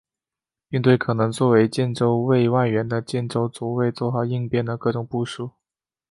并对可能作为建州卫外援的建州左卫作好应变的各种部署。